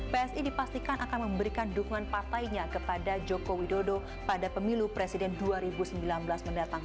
psi dipastikan akan memberikan dukungan partainya kepada joko widodo pada pemilu presiden dua ribu sembilan belas mendatang